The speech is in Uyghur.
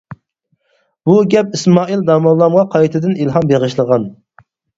بۇ گەپ ئىسمائىل داموللىغا قايتىدىن ئىلھام بېغىشلىغان.